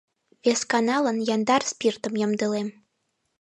Весканалан яндар спиртым ямдылем.